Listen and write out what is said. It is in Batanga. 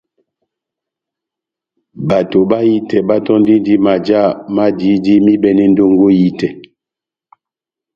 Bato bahitɛ batɔ́ndindi majá ma dihidi m'ibɛne ndongo ehitɛ.